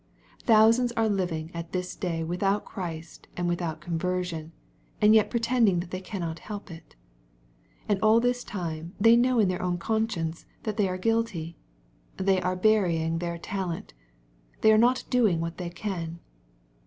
Thousands are living at this day without Christ and without conversion, and yet pretending that they cannot help it. And all this time they know in their own conscience that they are guilty. They are burying their talent. They are not doing what they can.